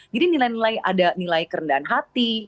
nilai nilai ada nilai kerendahan hati